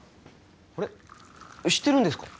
あれ知ってるんですか？